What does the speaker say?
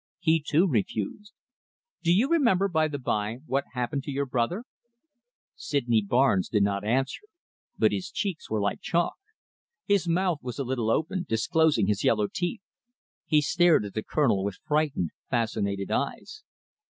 He too refused! Do you remember, by the by, what happened to your brother?" Sydney Barnes did not answer, but his cheeks were like chalk. His mouth was a little open, disclosing his yellow teeth. He stared at the Colonel with frightened, fascinated eyes.